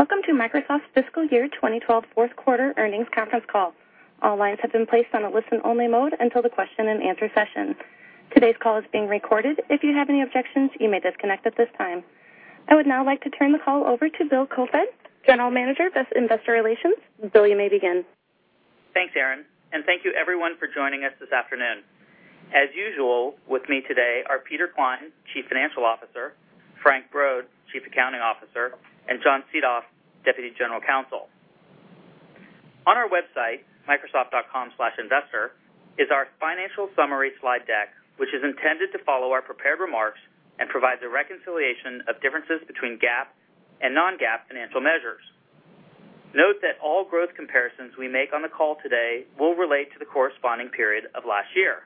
Welcome to Microsoft's fiscal year 2012 fourth quarter earnings conference call. All lines have been placed on a listen-only mode until the question and answer session. Today's call is being recorded. If you have any objections, you may disconnect at this time. I would now like to turn the call over to Bill Koefoed, General Manager of Investor Relations. Bill, you may begin. Thanks, Erin. Thank you everyone for joining us this afternoon. As usual, with me today are Peter Klein, Chief Financial Officer, Frank Brod, Chief Accounting Officer, and John Seethoff, Deputy General Counsel. On our website, microsoft.com/investor, is our financial summary slide deck, which is intended to follow our prepared remarks and provides a reconciliation of differences between GAAP and non-GAAP financial measures. Note that all growth comparisons we make on the call today will relate to the corresponding period of last year.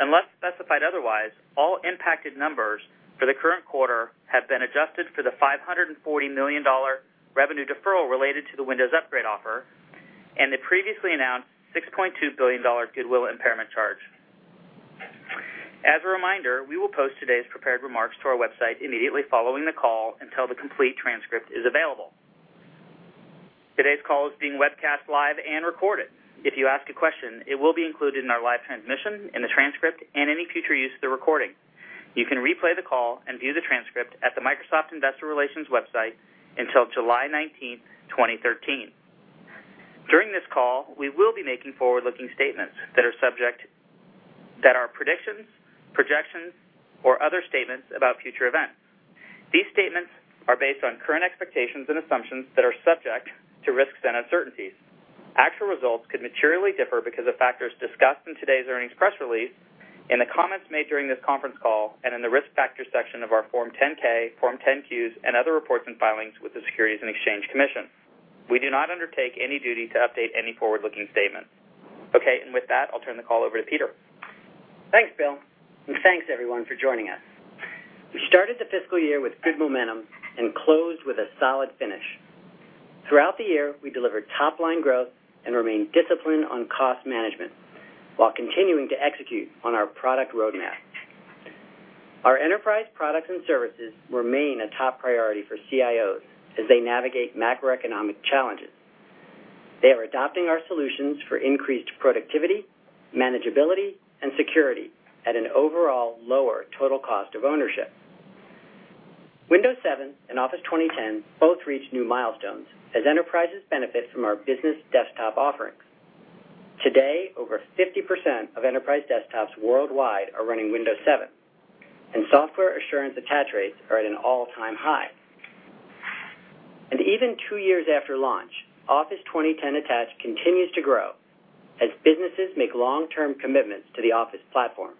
Unless specified otherwise, all impacted numbers for the current quarter have been adjusted for the $540 million revenue deferral related to the Windows upgrade offer and the previously announced $6.2 billion goodwill impairment charge. As a reminder, we will post today's prepared remarks to our website immediately following the call until the complete transcript is available. Today's call is being webcast live and recorded. If you ask a question, it will be included in our live transmission, in the transcript, and any future use of the recording. You can replay the call and view the transcript at the Microsoft Investor Relations website until July 19th, 2013. During this call, we will be making forward-looking statements that are predictions, projections, or other statements about future events. These statements are based on current expectations and assumptions that are subject to risks and uncertainties. Actual results could materially differ because of factors discussed in today's earnings press release, in the comments made during this conference call, and in the risk factors section of our Form 10-K, Form 10-Qs, and other reports and filings with the Securities and Exchange Commission. We do not undertake any duty to update any forward-looking statements. Okay, with that, I'll turn the call over to Peter. Thanks, Bill. Thanks, everyone, for joining us. We started the fiscal year with good momentum and closed with a solid finish. Throughout the year, we delivered top-line growth and remained disciplined on cost management while continuing to execute on our product roadmap. Our enterprise products and services remain a top priority for CIOs as they navigate macroeconomic challenges. They are adopting our solutions for increased productivity, manageability, and security at an overall lower total cost of ownership. Windows 7 and Office 2010 both reached new milestones as enterprises benefit from our business desktop offerings. Today, over 50% of enterprise desktops worldwide are running Windows 7, and Software Assurance attach rates are at an all-time high. Even two years after launch, Office 2010 attach continues to grow as businesses make long-term commitments to the Office platform.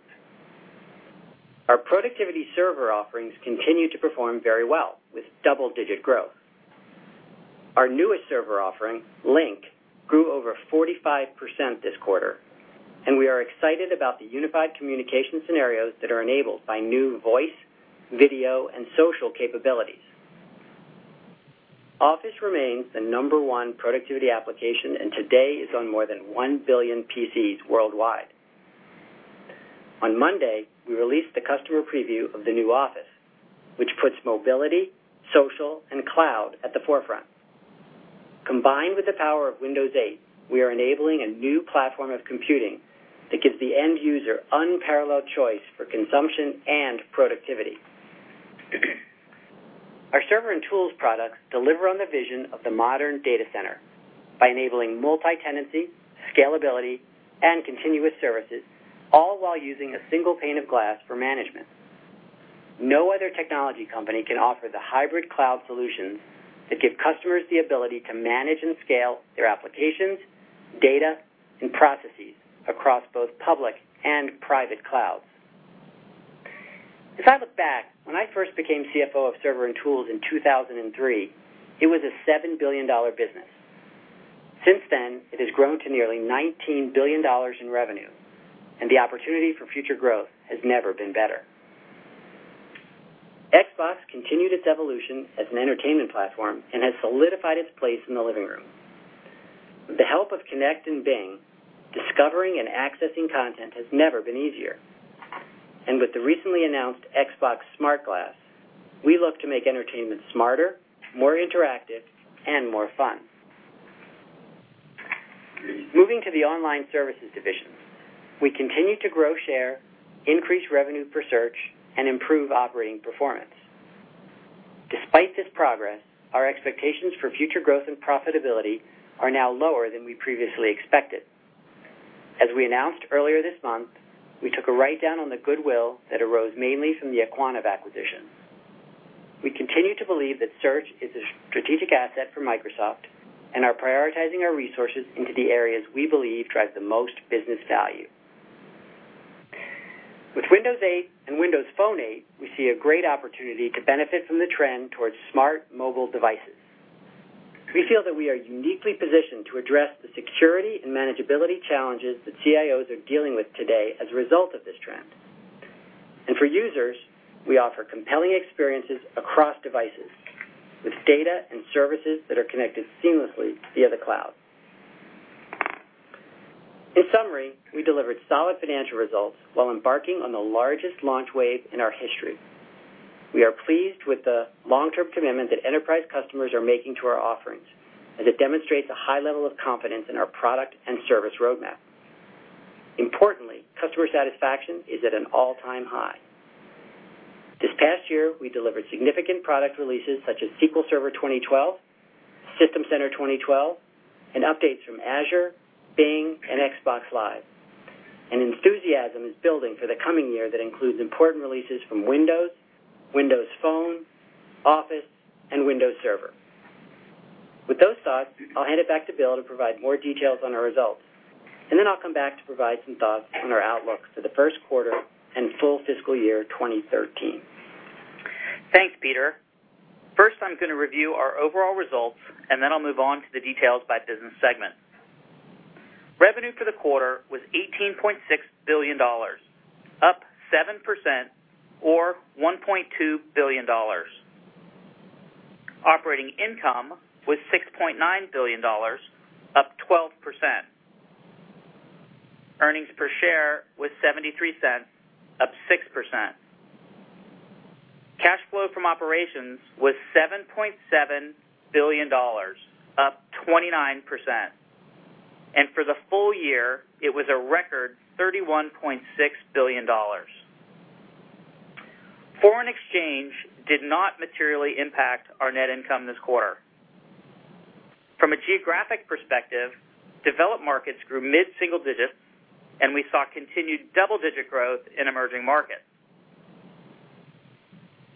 Our productivity server offerings continue to perform very well with double-digit growth. Our newest server offering, Lync, grew over 45% this quarter. We are excited about the unified communication scenarios that are enabled by new voice, video, and social capabilities. Office remains the number 1 productivity application and today is on more than 1 billion PCs worldwide. On Monday, we released the customer preview of the new Office, which puts mobility, social, and cloud at the forefront. Combined with the power of Windows 8, we are enabling a new platform of computing that gives the end user unparalleled choice for consumption and productivity. Our Server & Tools products deliver on the vision of the modern data center by enabling multi-tenancy, scalability, and continuous services, all while using a single pane of glass for management. No other technology company can offer the hybrid cloud solutions that give customers the ability to manage and scale their applications, data, and processes across both public and private clouds. As I look back, when I first became CFO of Server & Tools in 2003, it was a $7 billion business. Since then, it has grown to nearly $19 billion in revenue, and the opportunity for future growth has never been better. Xbox continued its evolution as an entertainment platform and has solidified its place in the living room. With the help of Kinect and Bing, discovering and accessing content has never been easier. With the recently announced Xbox SmartGlass, we look to make entertainment smarter, more interactive, and more fun. Moving to the online services division, we continue to grow share, increase revenue per search, and improve operating performance. Despite this progress, our expectations for future growth and profitability are now lower than we previously expected. As we announced earlier this month, we took a write-down on the goodwill that arose mainly from the aQuantive acquisition. We continue to believe that search is a strategic asset for Microsoft and are prioritizing our resources into the areas we believe drive the most business value. With Windows 8 and Windows Phone 8, we see a great opportunity to benefit from the trend towards smart mobile devices. We feel that we are uniquely positioned to address the security and manageability challenges that CIOs are dealing with today as a result of this trend. For users, we offer compelling experiences across devices with data and services that are connected seamlessly via the cloud. In summary, we delivered solid financial results while embarking on the largest launch wave in our history. We are pleased with the long-term commitment that enterprise customers are making to our offerings, as it demonstrates a high level of confidence in our product and service roadmap. Importantly, customer satisfaction is at an all-time high. This past year, we delivered significant product releases such as SQL Server 2012, System Center 2012, and updates from Azure, Bing, and Xbox Live. Enthusiasm is building for the coming year that includes important releases from Windows Phone, Office, and Windows Server. With those thoughts, I'll hand it back to Bill to provide more details on our results. Then I'll come back to provide some thoughts on our outlook for the first quarter and full fiscal year 2013. Thanks, Peter. First, I'm going to review our overall results, then I'll move on to the details by business segment. Revenue for the quarter was $18.6 billion, up 7% or $1.2 billion. Operating income was $6.9 billion, up 12%. Earnings per share was $0.73, up 6%. Cash flow from operations was $7.7 billion, up 29%. For the full year, it was a record $31.6 billion. Foreign exchange did not materially impact our net income this quarter. From a geographic perspective, developed markets grew mid-single digits, and we saw continued double-digit growth in emerging markets.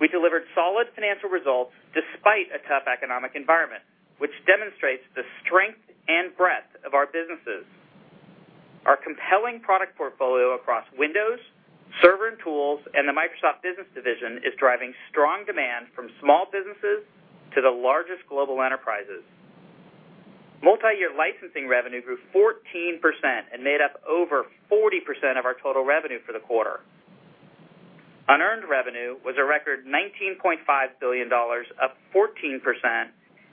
We delivered solid financial results despite a tough economic environment, which demonstrates the strength and breadth of our businesses. Our compelling product portfolio across Windows, Server & Tools, and the Microsoft Business Division is driving strong demand from small businesses to the largest global enterprises. Multi-year licensing revenue grew 14% and made up over 40% of our total revenue for the quarter. Unearned revenue was a record $19.5 billion, up 14%,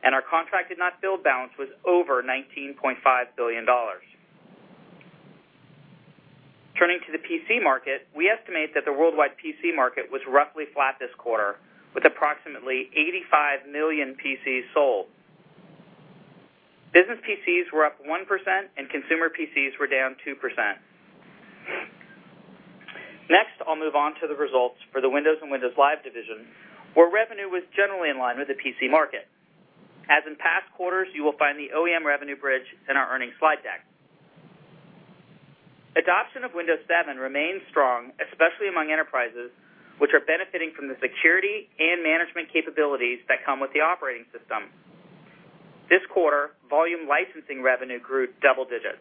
and our contract and not build balance was over $19.5 billion. Turning to the PC market, we estimate that the worldwide PC market was roughly flat this quarter, with approximately 85 million PCs sold. Business PCs were up 1% and consumer PCs were down 2%. Next, I'll move on to the results for the Windows and Windows Live division, where revenue was generally in line with the PC market. As in past quarters, you will find the OEM revenue bridge in our earnings slide deck. Adoption of Windows 7 remains strong, especially among enterprises, which are benefiting from the security and management capabilities that come with the operating system. This quarter, volume licensing revenue grew double digits.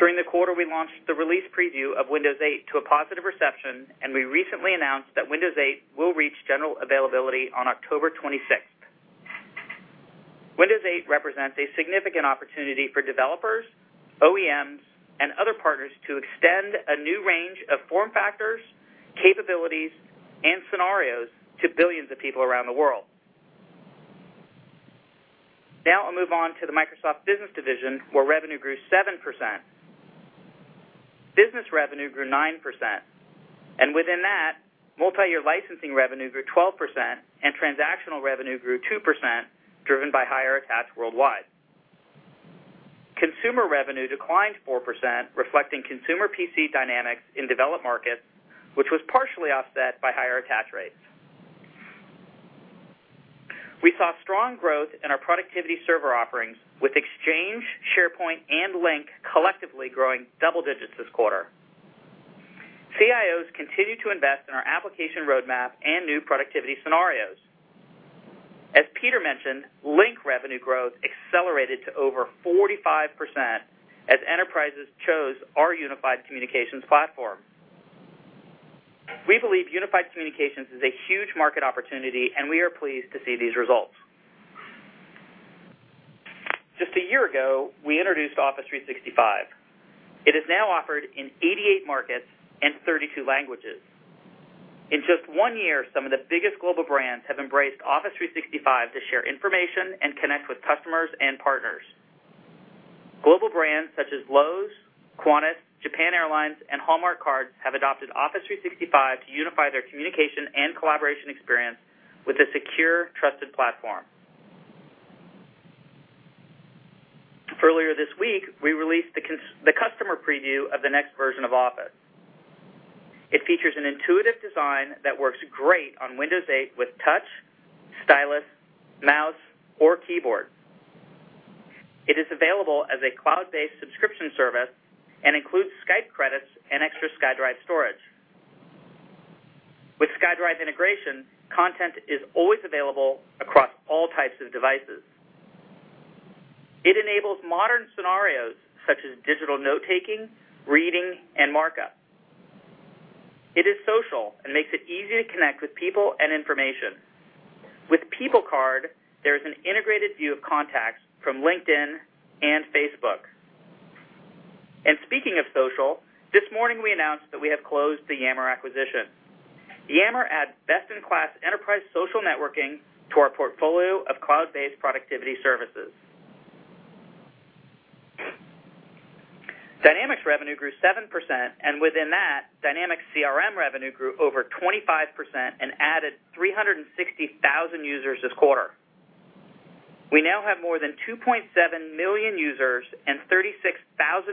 During the quarter, we launched the release preview of Windows 8 to a positive reception, and we recently announced that Windows 8 will reach general availability on October 26th. Windows 8 represents a significant opportunity for developers, OEMs, and other partners to extend a new range of form factors, capabilities, and scenarios to billions of people around the world. Now I'll move on to the Microsoft Business Division, where revenue grew 7%. Business revenue grew 9%, and within that, multi-year licensing revenue grew 12% and transactional revenue grew 2%, driven by higher attach worldwide. Consumer revenue declined 4%, reflecting consumer PC dynamics in developed markets, which was partially offset by higher attach rates. We saw strong growth in our productivity server offerings with Exchange, SharePoint, and Lync collectively growing double digits this quarter. CIOs continue to invest in our application roadmap and new productivity scenarios. As Peter mentioned, Lync revenue growth accelerated to over 45% as enterprises chose our Unified Communications Platform. We believe unified communications is a huge market opportunity, and we are pleased to see these results. Just a year ago, we introduced Office 365. It is now offered in 88 markets and 32 languages. In just one year, some of the biggest global brands have embraced Office 365 to share information and connect with customers and partners. Global brands such as Lowe's, Qantas, Japan Airlines, and Hallmark Cards have adopted Office 365 to unify their communication and collaboration experience with a secure, trusted platform. Earlier this week, we released the customer preview of the next version of Office. It features an intuitive design that works great on Windows 8 with touch, stylus, mouse, or keyboard. It is available as a cloud-based subscription service and includes Skype credits and extra SkyDrive storage. With SkyDrive integration, content is always available across all types of devices. It enables modern scenarios such as digital note-taking, reading, and markup. It is social and makes it easy to connect with people and information. With People Card, there is an integrated view of contacts from LinkedIn and Facebook. Speaking of social, this morning we announced that we have closed the Yammer acquisition. Yammer adds best-in-class enterprise social networking to our portfolio of cloud-based productivity services. Dynamics revenue grew 7%, and within that, Dynamics CRM revenue grew over 25% and added 360,000 users this quarter. We now have more than 2.7 million users and 36,000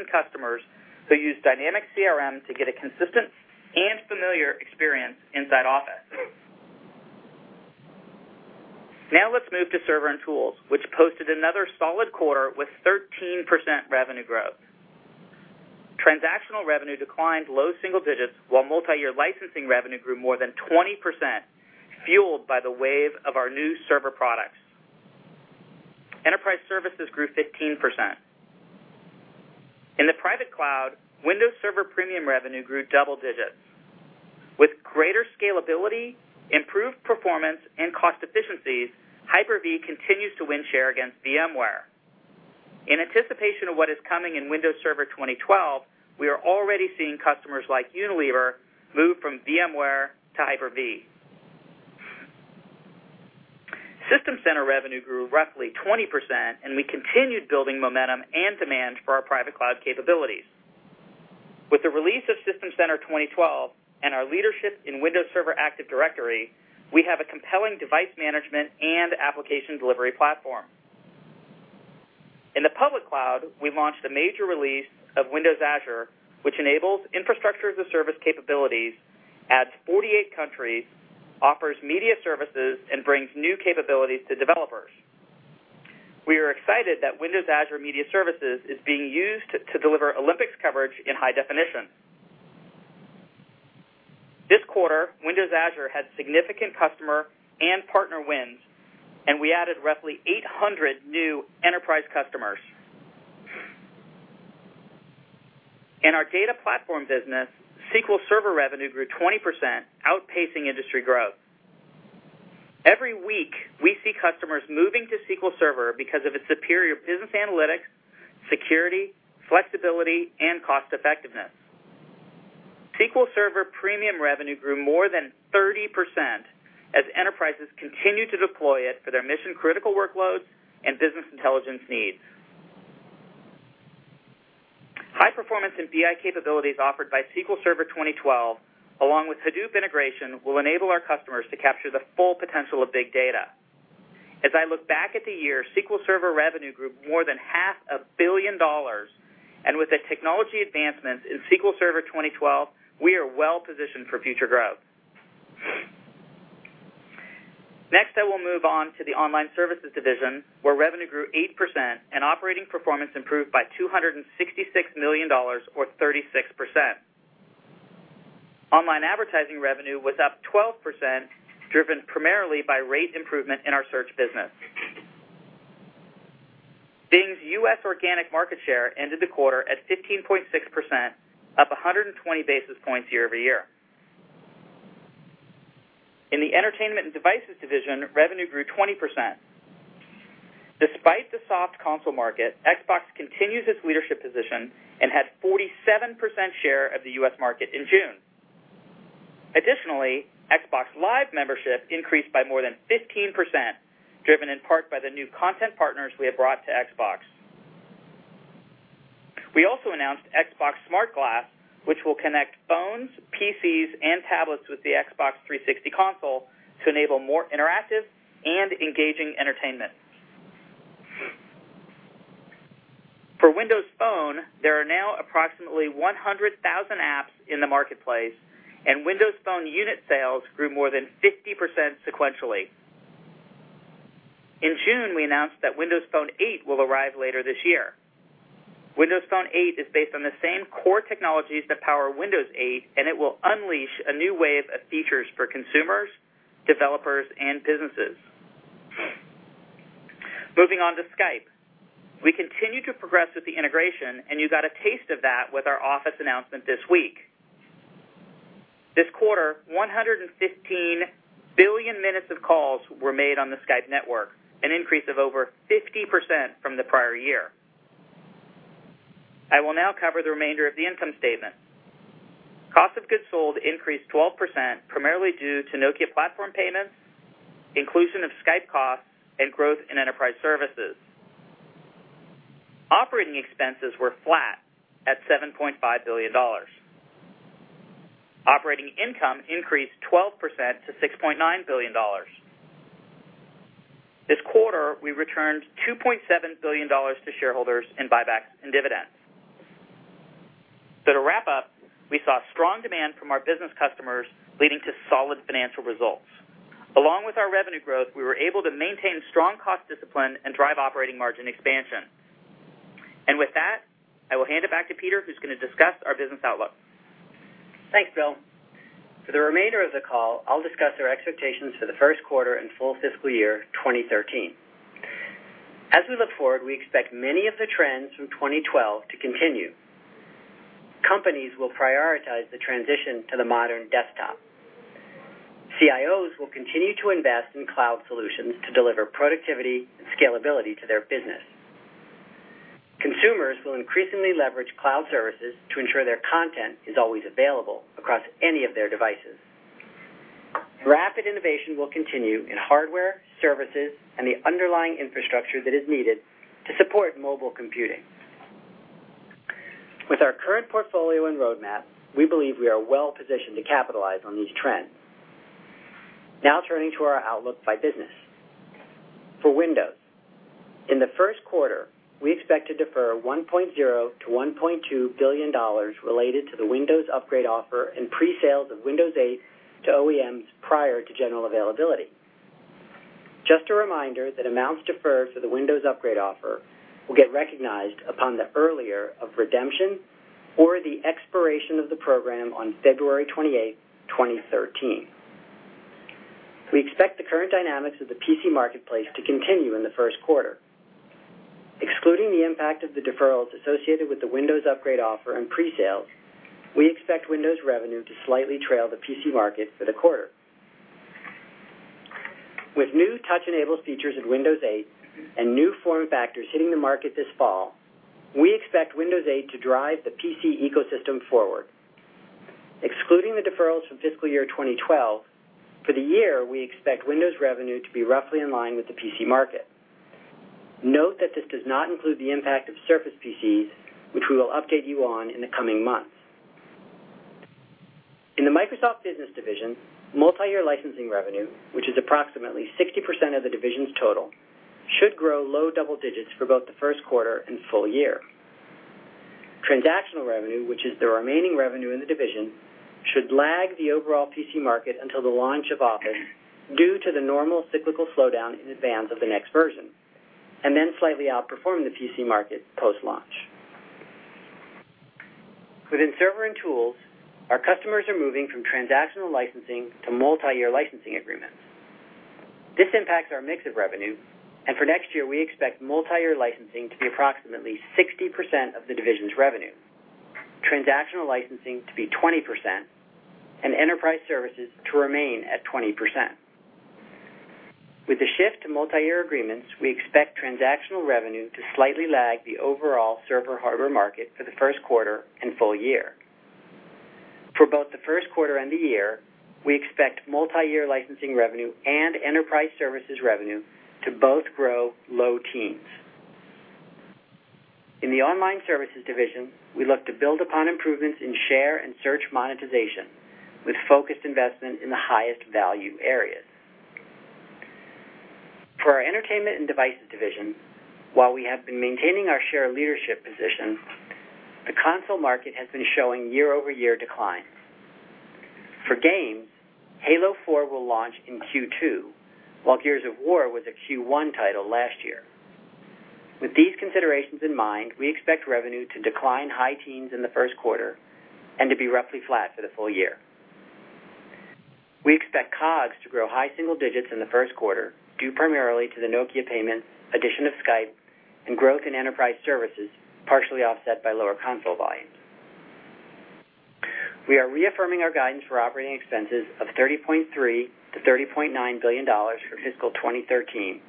customers who use Dynamics CRM to get a consistent and familiar experience inside Office. Let's move to Server & Tools, which posted another solid quarter with 13% revenue growth. Transactional revenue declined low single digits while multi-year licensing revenue grew more than 20%, fueled by the wave of our new server products. Enterprise services grew 15%. In the private cloud, Windows Server Premium revenue grew double digits. With greater scalability, improved performance, and cost efficiencies, Hyper-V continues to win share against VMware. In anticipation of what is coming in Windows Server 2012, we are already seeing customers like Unilever move from VMware to Hyper-V. System Center revenue grew roughly 20%, and we continued building momentum and demand for our private cloud capabilities. With the release of System Center 2012 and our leadership in Windows Server Active Directory, we have a compelling device management and application delivery platform. In the public cloud, we launched a major release of Windows Azure, which enables infrastructure as a service capabilities, adds 48 countries, offers media services, and brings new capabilities to developers. We are excited that Windows Azure Media Services is being used to deliver Olympics coverage in high definition. This quarter, Windows Azure had significant customer and partner wins, and we added roughly 800 new enterprise customers. In our data platform business, SQL Server revenue grew 20%, outpacing industry growth. Every week, we see customers moving to SQL Server because of its superior business analytics, security, flexibility, and cost effectiveness. SQL Server Premium revenue grew more than 30% as enterprises continue to deploy it for their mission-critical workloads and BI needs. High performance and BI capabilities offered by SQL Server 2012, along with Hadoop integration, will enable our customers to capture the full potential of big data. As I look back at the year, SQL Server revenue grew more than half a billion dollars, and with the technology advancements in SQL Server 2012, we are well positioned for future growth. I will move on to the Online Services Division, where revenue grew 8% and operating performance improved by $266 million, or 36%. Online advertising revenue was up 12%, driven primarily by rate improvement in our search business. Bing's U.S. organic market share ended the quarter at 15.6%, up 120 basis points year-over-year. In the Entertainment and Devices Division, revenue grew 20%. Despite the soft console market, Xbox continues its leadership position and had 47% share of the U.S. market in June. Xbox Live membership increased by more than 15%, driven in part by the new content partners we have brought to Xbox. We also announced Xbox SmartGlass, which will connect phones, PCs, and tablets with the Xbox 360 console to enable more interactive and engaging entertainment. For Windows Phone, there are now approximately 100,000 apps in the marketplace, and Windows Phone unit sales grew more than 50% sequentially. In June, we announced that Windows Phone 8 will arrive later this year. Windows Phone 8 is based on the same core technologies that power Windows 8, and it will unleash a new wave of features for consumers, developers, and businesses. Moving on to Skype, we continue to progress with the integration, and you got a taste of that with our Office announcement this week. This quarter, 115 billion minutes of calls were made on the Skype network, an increase of over 50% from the prior year. I will now cover the remainder of the income statement. Cost of goods sold increased 12%, primarily due to Nokia platform payments, inclusion of Skype costs, and growth in enterprise services. Operating expenses were flat at $7.5 billion. Operating income increased 12% to $6.9 billion. This quarter, we returned $2.7 billion to shareholders in buybacks and dividends. To wrap up, we saw strong demand from our business customers, leading to solid financial results. Along with our revenue growth, we were able to maintain strong cost discipline and drive operating margin expansion. With that, I will hand it back to Peter, who's going to discuss our business outlook. Thanks, Bill. For the remainder of the call, I'll discuss our expectations for the first quarter and full fiscal year 2013. As we look forward, we expect many of the trends from 2012 to continue. Companies will prioritize the transition to the modern desktop. CIOs will continue to invest in cloud solutions to deliver productivity and scalability to their business. Consumers will increasingly leverage cloud services to ensure their content is always available across any of their devices. Rapid innovation will continue in hardware, services, and the underlying infrastructure that is needed to support mobile computing. With our current portfolio and roadmap, we believe we are well positioned to capitalize on these trends. Now turning to our outlook by business. For Windows, in the first quarter, we expect to defer $1.0 billion-$1.2 billion related to the Windows upgrade offer and pre-sales of Windows 8 to OEMs prior to general availability. Just a reminder that amounts deferred for the Windows upgrade offer will get recognized upon the earlier of redemption or the expiration of the program on February 28th, 2013. We expect the current dynamics of the PC marketplace to continue in the first quarter. Excluding the impact of the deferrals associated with the Windows upgrade offer and pre-sales, we expect Windows revenue to slightly trail the PC market for the quarter. With new touch enable features in Windows 8 and new form factors hitting the market this fall, we expect Windows 8 to drive the PC ecosystem forward. Excluding the deferrals from fiscal year 2012, for the year, we expect Windows revenue to be roughly in line with the PC market. Note that this does not include the impact of Surface PCs, which we will update you on in the coming months. In the Microsoft Business Division, multi-year licensing revenue, which is approximately 60% of the division's total, should grow low double digits for both the first quarter and full year. Transactional revenue, which is the remaining revenue in the division, should lag the overall PC market until the launch of Office due to the normal cyclical slowdown in advance of the next version, and then slightly outperform the PC market post-launch. Within Server and Tools, our customers are moving from transactional licensing to multi-year licensing agreements. This impacts our mix of revenue. For next year, we expect multi-year licensing to be approximately 60% of the division's revenue, transactional licensing to be 20%, and enterprise services to remain at 20%. With the shift to multi-year agreements, we expect transactional revenue to slightly lag the overall server hardware market for the first quarter and full year. For both the first quarter and the year, we expect multi-year licensing revenue and enterprise services revenue to both grow low teens. In the Online Services Division, we look to build upon improvements in share and search monetization with focused investment in the highest value areas. For our Entertainment and Devices Division, while we have been maintaining our share leadership position, the console market has been showing year-over-year declines. For games, Halo 4 will launch in Q2, while Gears of War was a Q1 title last year. With these considerations in mind, we expect revenue to decline high teens in the first quarter and to be roughly flat for the full year. We expect COGS to grow high single digits in the first quarter, due primarily to the Nokia payment, addition of Skype, and growth in enterprise services, partially offset by lower console volumes. We are reaffirming our guidance for operating expenses of $30.3 billion-$30.9 billion for fiscal 2013.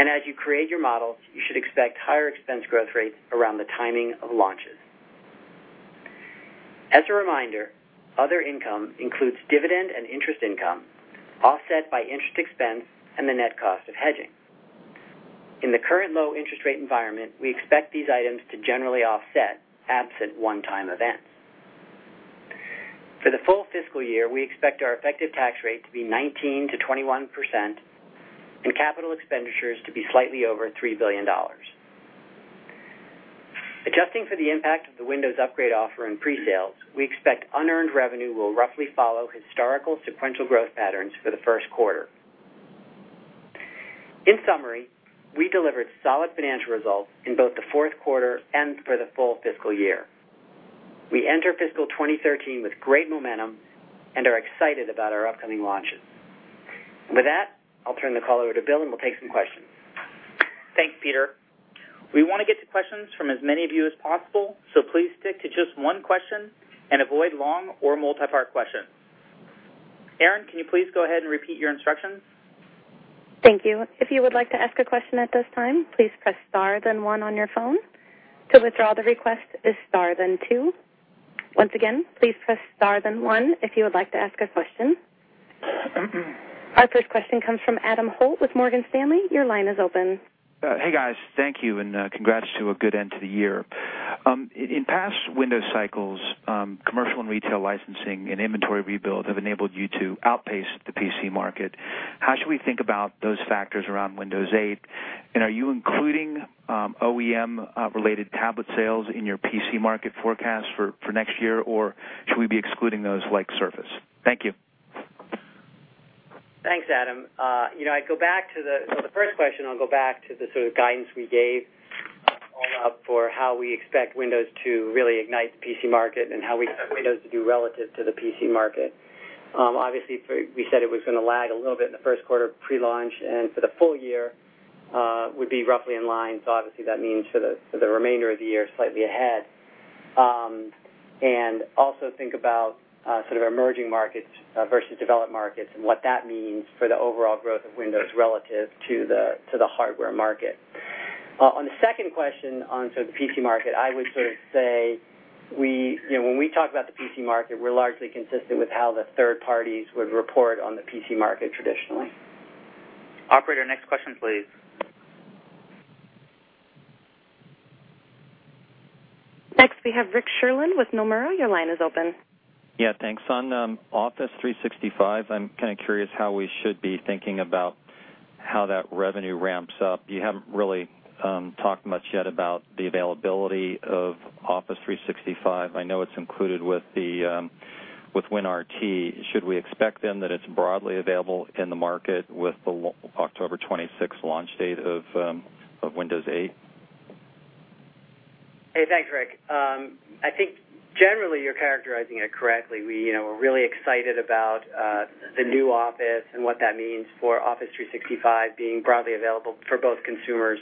As you create your models, you should expect higher expense growth rates around the timing of launches. As a reminder, other income includes dividend and interest income, offset by interest expense and the net cost of hedging. In the current low interest rate environment, we expect these items to generally offset absent one-time events. For the full fiscal year, we expect our effective tax rate to be 19%-21% and capital expenditures to be slightly over $3 billion. Adjusting for the impact of the Windows upgrade offer and pre-sales, we expect unearned revenue will roughly follow historical sequential growth patterns for the first quarter. In summary, we delivered solid financial results in both the fourth quarter and for the full fiscal year. We enter fiscal 2013 with great momentum and are excited about our upcoming launches. With that, I'll turn the call over to Bill and we'll take some questions. Thanks, Peter. We want to get to questions from as many of you as possible, please stick to just one question and avoid long or multi-part questions. Erin, can you please go ahead and repeat your instructions? Thank you. If you would like to ask a question at this time, please press star then 1 on your phone. To withdraw the request is star then 2. Once again, please press star then 1 if you would like to ask a question. Our first question comes from Adam Holt with Morgan Stanley. Your line is open. Hey, guys. Thank you, congrats to a good end to the year. In past Windows cycles, commercial and retail licensing and inventory rebuild have enabled you to outpace the PC market. How should we think about those factors around Windows 8? Are you including OEM related tablet sales in your PC market forecast for next year or should we be excluding those like Surface? Thank you. Thanks, Adam. For the first question, I'll go back to the sort of guidance we gave all up for how we expect Windows to really ignite the PC market and how we expect Windows to do relative to the PC market. Obviously, we said it was going to lag a little bit in the first quarter pre-launch, for the full year would be roughly in line. Obviously that means for the remainder of the year, slightly ahead. Also think about emerging markets versus developed markets and what that means for the overall growth of Windows relative to the hardware market. On the second question on the PC market, I would say when we talk about the PC market, we're largely consistent with how the third parties would report on the PC market traditionally. Operator, next question, please. Next, we have Rick Sherlund with Nomura. Your line is open. Yeah, thanks. On Office 365, I'm curious how we should be thinking about how that revenue ramps up. You haven't really talked much yet about the availability of Office 365. I know it's included with WinRT. Should we expect then that it's broadly available in the market with the October 26th launch date of Windows 8? Hey, thanks, Rick. I think generally you're characterizing it correctly. We're really excited about the new Office and what that means for Office 365 being broadly available for both consumers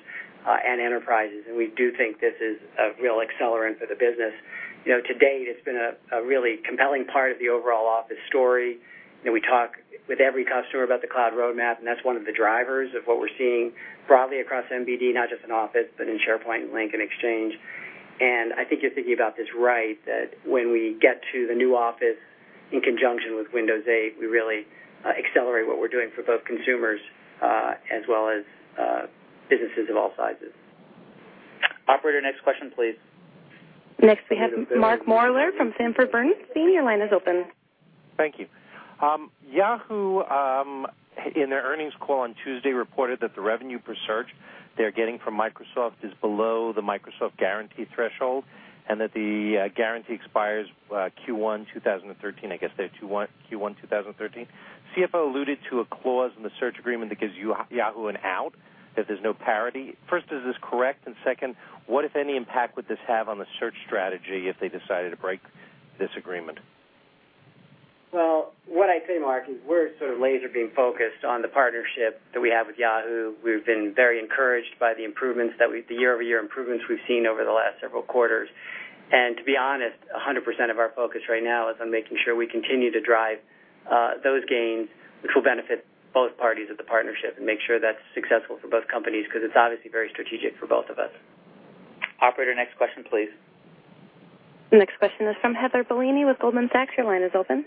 and enterprises. We do think this is a real accelerant for the business. To date, it's been a really compelling part of the overall Office story. We talk with every customer about the cloud roadmap. That's one of the drivers of what we're seeing broadly across MBD, not just in Office, but in SharePoint, Lync, and Exchange. I think you're thinking about this right, that when we get to the new Office in conjunction with Windows 8, we really accelerate what we're doing for both consumers as well as businesses of all sizes. Operator, next question, please. Next, we have Mark Moerdler from Sanford Bernstein. Your line is open. Thank you. Yahoo, in their earnings call on Tuesday, reported that the revenue per search they're getting from Microsoft is below the Microsoft guarantee threshold and that the guarantee expires Q1 2013. I guess they have Q1 2013. CFO alluded to a clause in the search agreement that gives Yahoo an out if there's no parity. First, is this correct? Second, what, if any, impact would this have on the search strategy if they decided to break this agreement? Well, what I'd say, Mark, is we're laser beam focused on the partnership that we have with Yahoo. We've been very encouraged by the year-over-year improvements we've seen over the last several quarters. To be honest, 100% of our focus right now is on making sure we continue to drive those gains, which will benefit both parties of the partnership and make sure that's successful for both companies, because it's obviously very strategic for both of us. Operator, next question, please. The next question is from Heather Bellini with Goldman Sachs. Your line is open.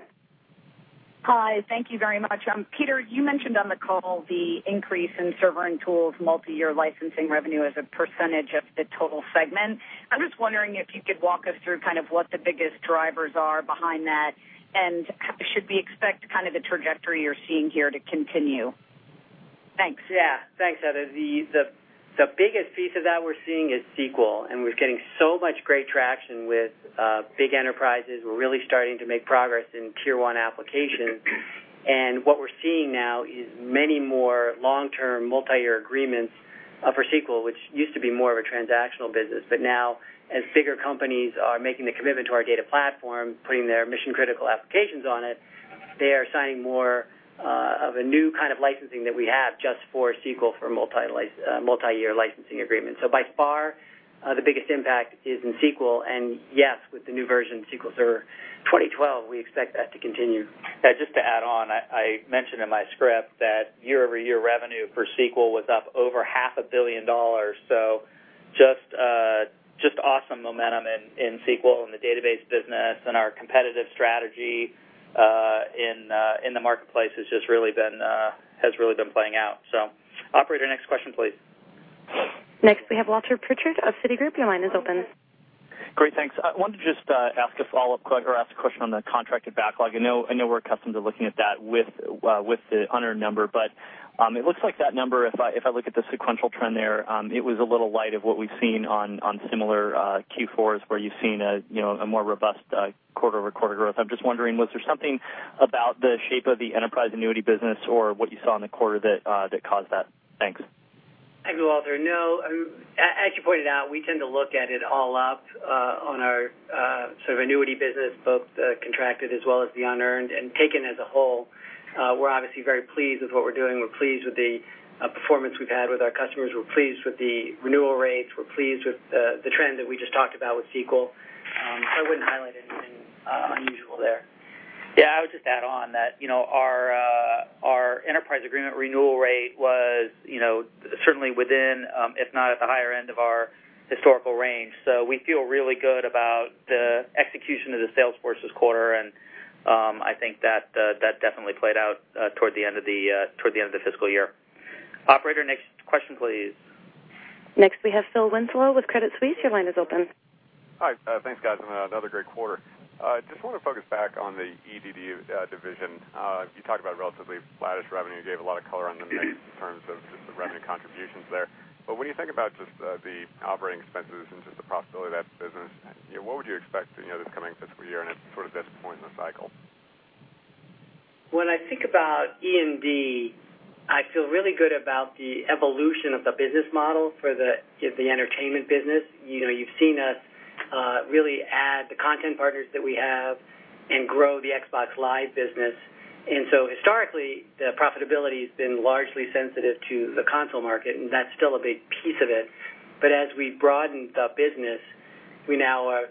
Hi. Thank you very much. Peter, you mentioned on the call the increase in Server and Tools multi-year licensing revenue as a percentage of the total segment. I'm just wondering if you could walk us through what the biggest drivers are behind that, and should we expect the trajectory you're seeing here to continue? Thanks. Yeah. Thanks, Heather. The biggest piece of that we're seeing is SQL, and we're getting so much great traction with big enterprises. We're really starting to make progress in tier 1 applications. What we're seeing now is many more long-term, multi-year agreements for SQL, which used to be more of a transactional business. Now, as bigger companies are making the commitment to our data platform, putting their mission-critical applications on it, they are signing more of a new kind of licensing that we have just for SQL for multi-year licensing agreements. By far, the biggest impact is in SQL, and yes, with the new version of SQL Server 2012, we expect that to continue. Just to add on, I mentioned in my script that year-over-year revenue for SQL was up over half a billion dollars, just awesome momentum in SQL, in the database business, and our competitive strategy in the marketplace has really been playing out. Operator, next question, please. Next, we have Walter Pritchard of Citigroup. Your line is open. Great. Thanks. I wanted to just ask a follow-up or ask a question on the contracted backlog. I know we're accustomed to looking at that with the unearned number, but it looks like that number, if I look at the sequential trend there, it was a little light of what we've seen on similar Q4s where you've seen a more robust quarter-over-quarter growth. I'm just wondering, was there something about the shape of the enterprise annuity business or what you saw in the quarter that caused that? Thanks. Thank you, Walter. No. As you pointed out, we tend to look at it all up on our sort of annuity business, both contracted as well as the unearned. Taken as a whole, we're obviously very pleased with what we're doing. We're pleased with the performance we've had with our customers. We're pleased with the renewal rates. We're pleased with the trend that we just talked about with SQL. I wouldn't highlight anything unusual there. I would just add on that our enterprise agreement renewal rate was certainly within, if not at the higher end of our historical range. We feel really good about the execution of the sales force this quarter, and I think that definitely played out toward the end of the fiscal year. Operator, next question, please. Next, we have Philip Winslow with Credit Suisse. Your line is open. Hi. Thanks, guys. Another great quarter. I just want to focus back on the E&D Division. You talked about relatively flattish revenue, gave a lot of color on the mix in terms of just the revenue contributions there. When you think about just the operating expenses and just the profitability of that business, what would you expect this coming fiscal year and at sort of this point in the cycle? When I think about E&D, I feel really good about the evolution of the business model for the entertainment business. You've seen us really add the content partners that we have grow the Xbox Live business. Historically, the profitability has been largely sensitive to the console market, and that's still a big piece of it. As we broadened the business, we now have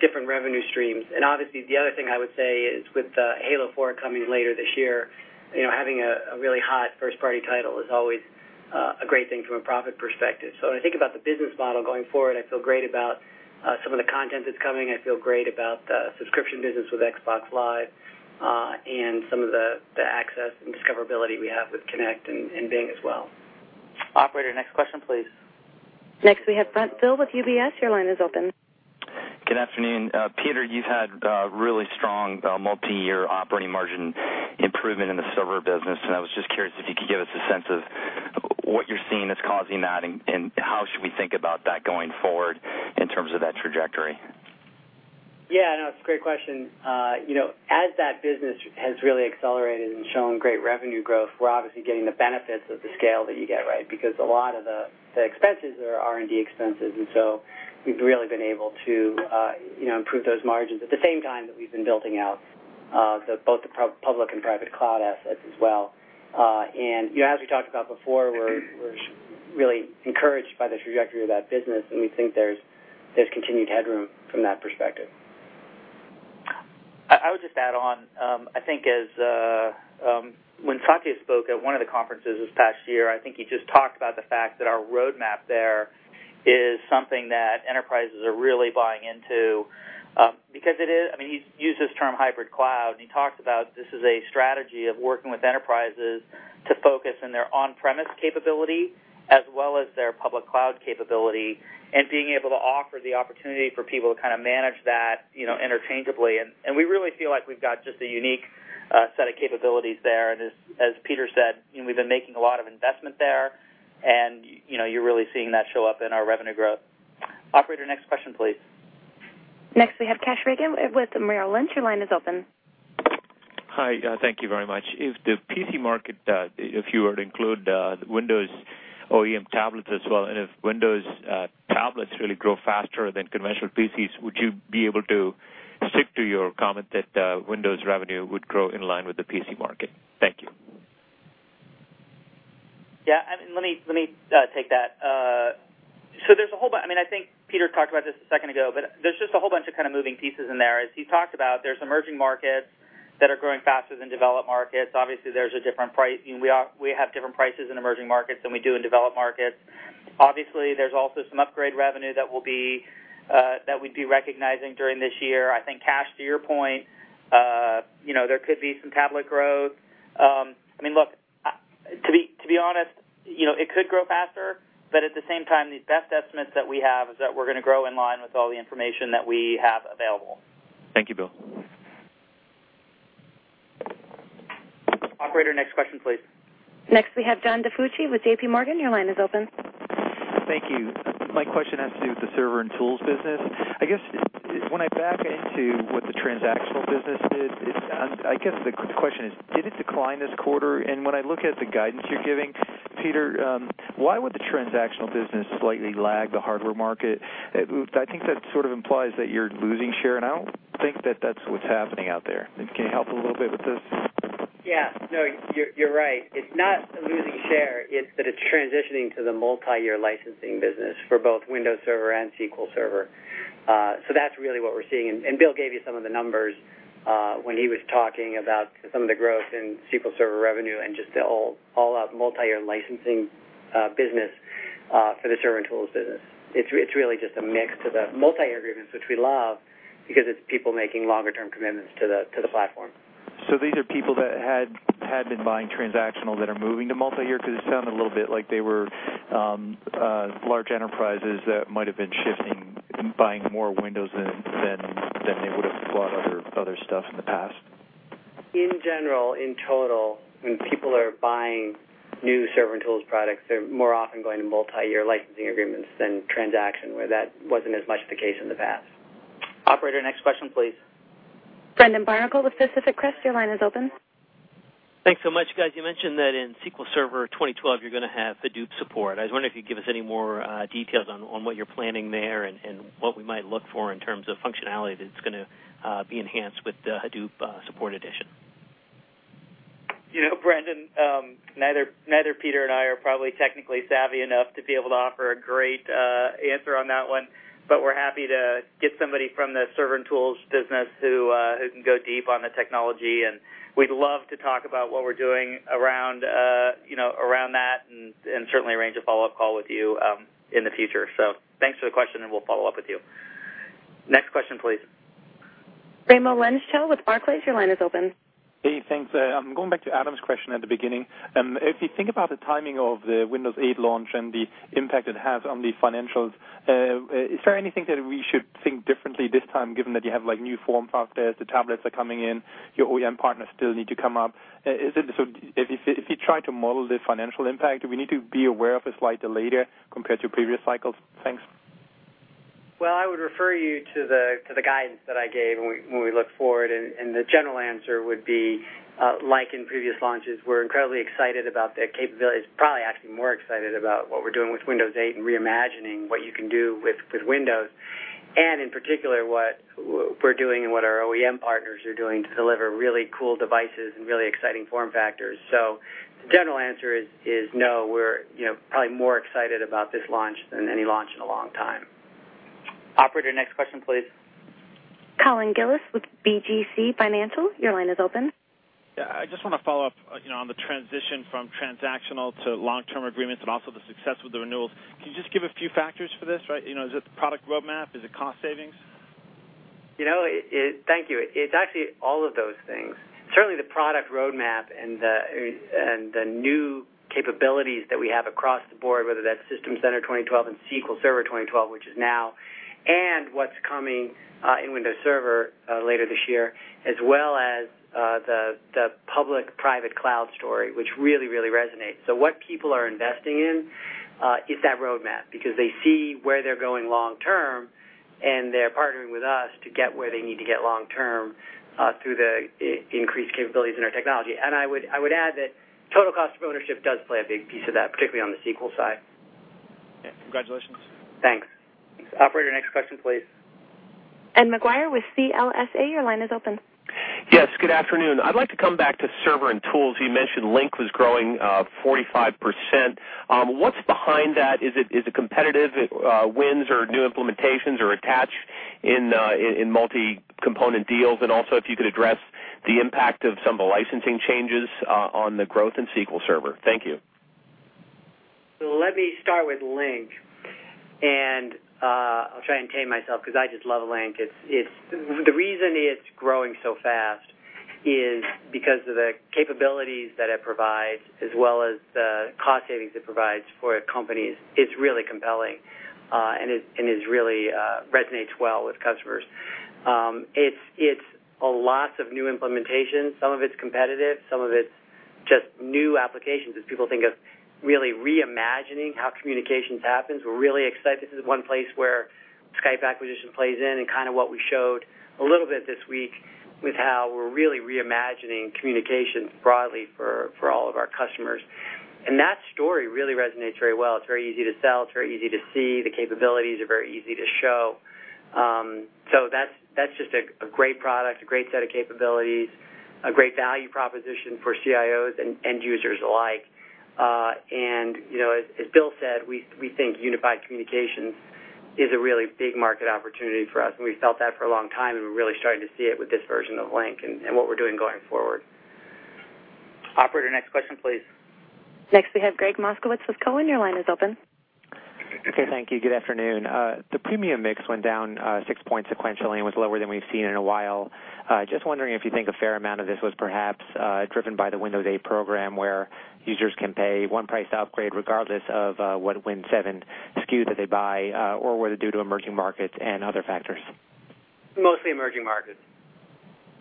different revenue streams. Obviously, the other thing I would say is with Halo 4 coming later this year, having a really hot first-party title is always a great thing from a profit perspective. When I think about the business model going forward, I feel great about some of the content that's coming. I feel great about the subscription business with Xbox Live, and some of the access and discoverability we have with Kinect and Bing as well. Operator, next question, please. Next, we have Brent Thill with UBS. Your line is open. Good afternoon. Peter, you've had really strong multi-year operating margin improvement in the server business, and I was just curious if you could give us a sense of what you're seeing that's causing that, and how should we think about that going forward in terms of that trajectory? Yeah, no, it's a great question. As that business has really accelerated and shown great revenue growth, we're obviously getting the benefits of the scale that you get because a lot of the expenses are R&D expenses, and so we've really been able to improve those margins at the same time that we've been building out both the public and private cloud assets as well. As we talked about before, we're really encouraged by the trajectory of that business, and we think there's continued headroom from that perspective. I would just add on, I think when Satya spoke at one of the conferences this past year, I think he just talked about the fact that our roadmap there is something that enterprises are really buying into. He used this term hybrid cloud, and he talked about this is a strategy of working with enterprises to focus on their on-premise capability as well as their public cloud capability, and being able to offer the opportunity for people to manage that interchangeably, and we really feel like we've got just a unique set of capabilities there. As Peter said, we've been making a lot of investment there, and you're really seeing that show up in our revenue growth. Operator, next question, please. Next, we have Kash Rangan with Merrill Lynch. Your line is open. Hi. Thank you very much. If the PC market, if you were to include the Windows OEM tablets as well, and if Windows tablets really grow faster than conventional PCs, would you be able to stick to your comment that Windows revenue would grow in line with the PC market? Thank you. Yeah. Let me take that. I think Peter talked about this a second ago, there's just a whole bunch of moving pieces in there. As he talked about, there's emerging markets that are growing faster than developed markets. We have different prices in emerging markets than we do in developed markets. There's also some upgrade revenue that we'd be recognizing during this year. I think, Kash, to your point, there could be some tablet growth. To be honest, it could grow faster, at the same time, the best estimates that we have is that we're going to grow in line with all the information that we have available. Thank you, Bill. Operator, next question, please. Next, we have John DiFucci with JP Morgan. Your line is open. Thank you. My question has to do with the Server & Tools business. When I back into what the transactional business did, I guess the question is, did it decline this quarter? When I look at the guidance you're giving, Peter, why would the transactional business slightly lag the hardware market? I think that sort of implies that you're losing share, and I don't think that's what's happening out there. Can you help a little bit with this? Yeah. No, you're right. It's not losing share. It's that it's transitioning to the multi-year licensing business for both Windows Server and SQL Server. That's really what we're seeing, and Bill gave you some of the numbers when he was talking about some of the growth in SQL Server revenue and just the all out multi-year licensing business for the Server & Tools Business. It's really just a mix of the multi-year agreements, which we love because it's people making longer-term commitments to the platform. These are people that had been buying transactional that are moving to multi-year because it sounded a little bit like they were large enterprises that might have been shifting and buying more Windows than they would have bought other stuff in the past. In general, in total, when people are buying new Server & Tools products, they're more often going to multi-year licensing agreements than transaction, where that wasn't as much the case in the past. Operator, next question, please. Brendan Barnicle with Pacific Crest, your line is open. Thanks so much, guys. You mentioned that in SQL Server 2012, you're going to have Hadoop support. I was wondering if you could give us any more details on what you're planning there and what we might look for in terms of functionality that's going to be enhanced with the Hadoop support edition. Brendan, neither Peter and I are probably technically savvy enough to be able to offer a great answer on that one, but we're happy to get somebody from the Server & Tools Business who can go deep on the technology, and we'd love to talk about what we're doing around that and certainly arrange a follow-up call with you in the future. Thanks for the question, and we'll follow up with you. Next question, please. Raimo Lenschow with Barclays, your line is open. Thanks. I'm going back to Adam's question at the beginning. If you think about the timing of the Windows 8 launch and the impact it has on the financials, is there anything that we should think differently this time, given that you have new form factors, the tablets are coming in, your OEM partners still need to come up. If you try to model the financial impact, do we need to be aware of a slight delay here compared to previous cycles? Thanks. I would refer you to the guidance that I gave when we look forward. The general answer would be, like in previous launches, we're incredibly excited about the capabilities, probably actually more excited about what we're doing with Windows 8 and reimagining what you can do with Windows. In particular, what we're doing and what our OEM partners are doing to deliver really cool devices and really exciting form factors. The general answer is no, we're probably more excited about this launch than any launch in a long time. Operator, next question, please. Colin Gillis with BGC Financial, your line is open. Yeah. I just want to follow up on the transition from transactional to long-term agreements and also the success with the renewals. Can you just give a few factors for this? Is it the product roadmap? Is it cost savings? Thank you. It's actually all of those things. Certainly, the product roadmap and the new capabilities that we have across the board, whether that's System Center 2012 and SQL Server 2012, which is now, and what's coming in Windows Server later this year, as well as the public-private cloud story, which really resonates. What people are investing in is that roadmap because they see where they're going long term, and they're partnering with us to get where they need to get long term through the increased capabilities in our technology. I would add that total cost of ownership does play a big piece of that, particularly on the SQL side. Yeah. Congratulations. Thanks. Operator, next question, please. Ed Maguire with CLSA, your line is open. Yes, good afternoon. I'd like to come back to server and tools. You mentioned Lync was growing 45%. What's behind that? Is it competitive wins or new implementations or attach in multi-component deals? Also, if you could address the impact of some of the licensing changes on the growth in SQL Server. Thank you. Let me start with Lync, and I'll try and contain myself because I just love Lync. The reason it's growing so fast is because of the capabilities that it provides as well as the cost savings it provides for companies. It's really compelling and it really resonates well with customers. It's a lot of new implementations. Some of it's competitive, some of it's just new applications as people think of really reimagining how communications happens. We're really excited. This is one place where Skype acquisition plays in and what we showed a little bit this week with how we're really reimagining communications broadly for all of our customers. That story really resonates very well. It's very easy to sell. It's very easy to see. The capabilities are very easy to show. That's just a great product, a great set of capabilities, a great value proposition for CIOs and end users alike. As Bill said, we think unified communications is a really big market opportunity for us, and we felt that for a long time, and we're really starting to see it with this version of Lync and what we're doing going forward. Operator, next question, please. Next, we have Gregg Moskowitz with Cowen. Your line is open. Okay, thank you. Good afternoon. The premium mix went down six points sequentially and was lower than we've seen in a while. Just wondering if you think a fair amount of this was perhaps driven by the Windows 8 program where users can pay one price to upgrade regardless of what Win7 SKU that they buy or were they due to emerging markets and other factors? Mostly emerging markets.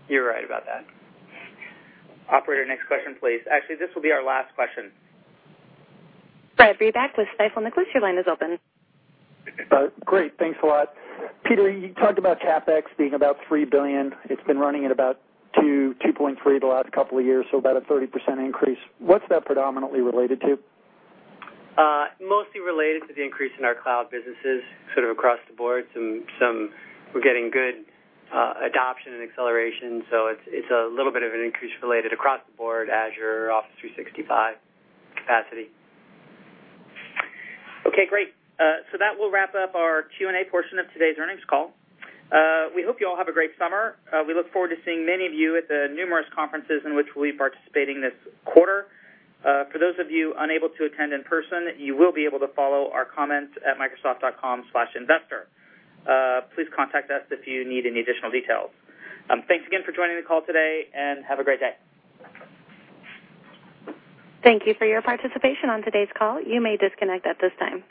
You're right about that. Operator, next question, please. Actually, this will be our last question. Brad Reback with Stifel Nicolaus, your line is open. Great. Thanks a lot. Peter, you talked about CapEx being about $3 billion. It's been running at about $2.3 billion the last couple of years, so about a 30% increase. What's that predominantly related to? Mostly related to the increase in our cloud businesses sort of across the board. We're getting good adoption and acceleration, it's a little bit of an increase related across the board, Azure, Office 365 capacity. Okay, great. That will wrap up our Q&A portion of today's earnings call. We hope you all have a great summer. We look forward to seeing many of you at the numerous conferences in which we'll be participating this quarter. For those of you unable to attend in person, you will be able to follow our comments at microsoft.com/investor. Please contact us if you need any additional details. Thanks again for joining the call today, and have a great day. Thank you for your participation on today's call. You may disconnect at this time.